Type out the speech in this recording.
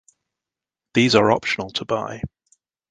These are optional to buy.